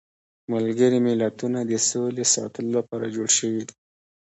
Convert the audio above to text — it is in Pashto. ملګري ملتونه د سولې ساتلو لپاره جوړ شویدي.